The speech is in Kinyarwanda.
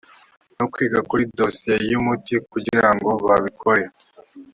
no kwiga kuri dosiye y umuti kugira ngo babikore